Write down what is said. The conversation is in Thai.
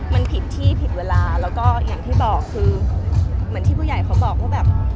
มันผิดที่ผิดเวลาแล้วก็อย่างที่บอกคือเหมือนที่ผู้ใหญ่เขาบอกว่าแบบ